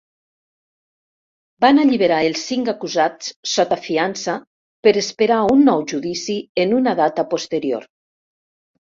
Van alliberar els cinc acusats sota fiança per esperar un nou judici en una data posterior.